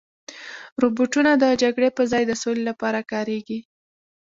روبوټونه د جګړې په ځای د سولې لپاره کارېږي.